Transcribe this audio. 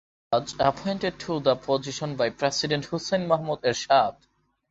He was appointed to the position by President Hussain Mohammad Ershad.